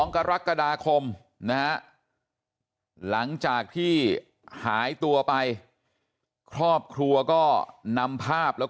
กรกฎาคมนะฮะหลังจากที่หายตัวไปครอบครัวก็นำภาพแล้ว